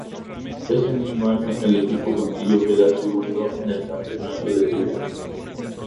Ese mismo año el equipo consiguió quedar segundo en el campeonato de Liga.